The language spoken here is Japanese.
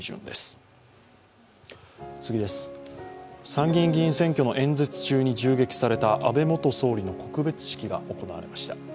参議院議員選挙の演説中に銃撃された安倍元総理の告別式が行われました。